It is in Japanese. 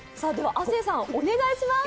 亜生さん、お願いします！